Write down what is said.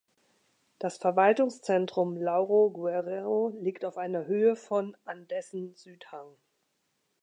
Das Verwaltungszentrum Lauro Guerrero liegt auf einer Höhe von an dessen Südhang.